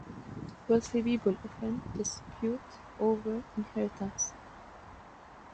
Wealthy people often dispute over inheritance.